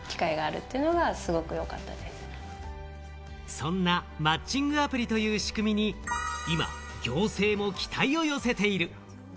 そんなマッチングアプリという仕組みに今、行政も期待を寄せている。